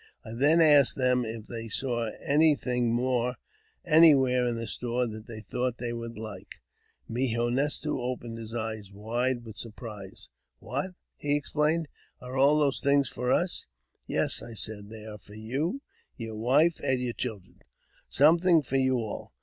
I then asked them if they saw anything more anywhere in the store that they thought they would like. Mo he nes to opened his eyes wide with surprise. " What ! he exclaimed, '' are all those things for us? " JAMES P. BECKWOUBTH. 369 "Yes," I said, "they are for you, your wife, and your children — something for you all.